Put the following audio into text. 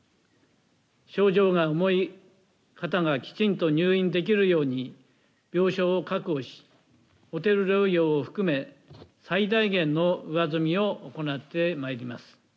症状が重い方がきちんと入院できるように病床を確保し、ホテル療養を含め最大限の上積みを行ってまいります。